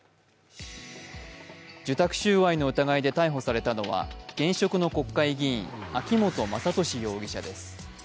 受託収賄の疑いで逮捕されたのは、現職の国会議員、秋本真利容疑者です。